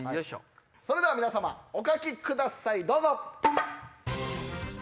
それでは皆さまお描きくださいどうぞ！